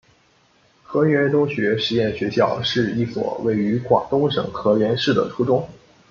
河源中学实验学校是一所位于广东省河源市的初中。